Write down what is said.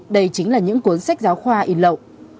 đây chính là những cuốn sách giáo khoa in lậu